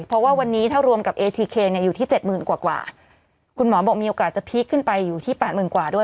เพราะว่าวันนี้ถ้ารวมกับเอทีเคเนี่ยอยู่ที่เจ็ดหมื่นกว่ากว่าคุณหมอบอกมีโอกาสจะพีคขึ้นไปอยู่ที่แปดหมื่นกว่าด้วย